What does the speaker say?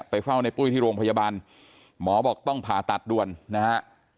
เฝ้าในปุ้ยที่โรงพยาบาลหมอบอกต้องผ่าตัดด่วนนะฮะ